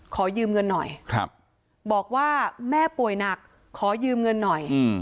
ขอยืมเงินหน่อยบอกว่าแม่ป่วยหนักขอยืมเงินหน่อย